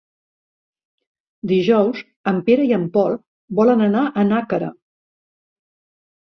Dijous en Pere i en Pol volen anar a Nàquera.